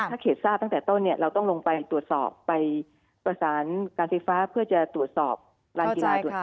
ถ้าเขตทราบตั้งแต่ต้นเนี่ยเราต้องลงไปตรวจสอบไปประสานการไฟฟ้าเพื่อจะตรวจสอบลานกีฬาตัวเอง